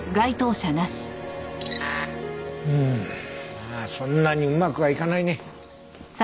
まあそんなにうまくはいかないね。